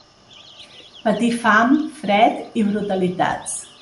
Patí fam, fred i brutalitats.